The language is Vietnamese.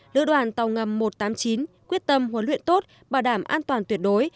lữ đoàn tàu ngầm một trăm tám mươi chín quyết tâm huấn luyện tốt bảo đảm an toàn tuyệt đối